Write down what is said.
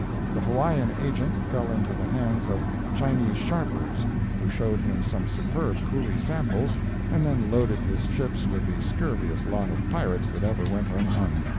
The Hawaiian agent fell into the hands of Chinese sharpers, who showed him some superb Coolie samples and then loaded his ships with the scurviest lot of pirates that ever went unhung.